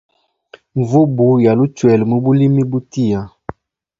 Mvubu yalʼuchwela mubulimi butia.